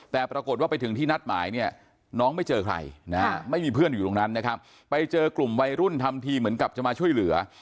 แต่ปรากฏว่าไปถึงที่นัดหมายเนี่ยน้องไม่เจอใครนะฮะไม่มีเพื่อนอยู่ตรงนั้นนะครับไปเจอกลุ่มวัยรุ่นทำทีเหมือนกับจะมาช่วยเหลือ